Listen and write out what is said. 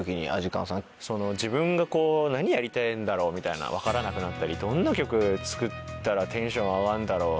自分が何やりてぇんだろうみたいな分からなくなったりどんな曲作ったらテンション上がんだろう